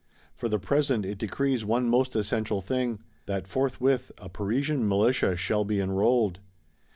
For the present it decrees one most essential thing: that forthwith a "Parisian Militia" shall be enrolled.